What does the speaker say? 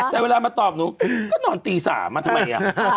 แต่เวลามาตอบหนูก็นอนตี๓มาทำไมอ่ะ